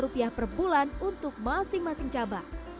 rupiah per bulan untuk masing masing cabang